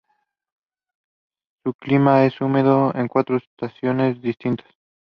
Su clima es húmedo, con cuatro estaciones distintas.